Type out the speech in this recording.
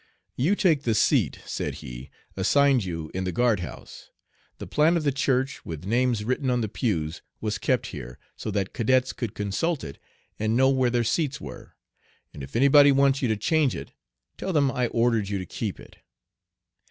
"You take the seat," said he, "assigned you in the guard house" the plan of the church, with names written on the pews, was kept here, so that cadets could consult it and know where their seats were "and if anybody wants you to change it tell them I ordered you to keep it."